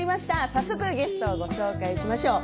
早速ゲストをご紹介しましょう。